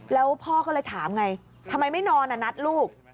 แล้วพ่อก็เลยถามไงทำไมไม่นอนนัดลูก